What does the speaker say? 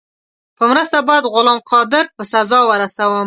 په مرسته باید غلام قادر په سزا ورسوم.